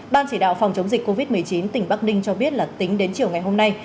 ban chỉ đạo phòng chống dịch covid một mươi chín tỉnh bắc ninh cho biết là tính đến chiều ngày hôm nay